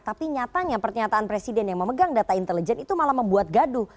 tapi nyatanya pernyataan presiden yang memegang data intelijen itu malah membuat gaduh